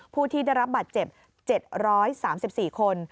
ผู้ที่ได้รับบาดเจ็บ๗๓๔คน